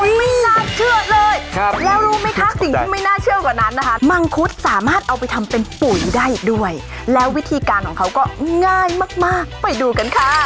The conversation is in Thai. ไม่น่าเชื่อเลยแล้วรู้ไหมคะสิ่งที่ไม่น่าเชื่อกว่านั้นนะคะมังคุดสามารถเอาไปทำเป็นปุ๋ยได้อีกด้วยแล้ววิธีการของเขาก็ง่ายมากไปดูกันค่ะ